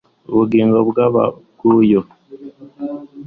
Ubugingo bwaba bwuzuye